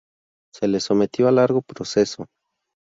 Se les sometió a largo proceso.